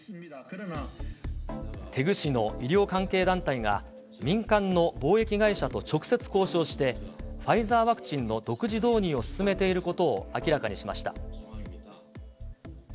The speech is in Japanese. テグ市の医療関係団体が、民間の貿易会社と直接交渉して、ファイザーワクチンの独自導入を進めていることを明らかにしました。